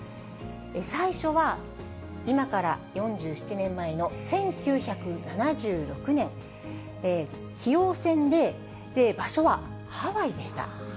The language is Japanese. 最初は、今から４７年前の１９７６年、棋王戦で、場所はハワイでした。